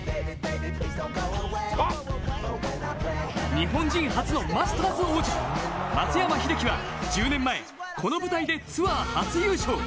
日本人初のマスターズ王者松山英樹は１０年前この舞台でツアー初優勝。